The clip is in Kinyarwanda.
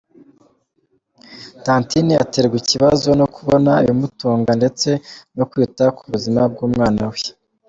Tantine aterwa ikibazo no kubona ibimutunga ndetse no kwita ku buzima bw’umwana we.